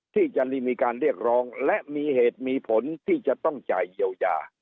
ที่จะมีการเรียกร้องและมีเหตุมีผลที่จะต้องจ่ายเยียวยา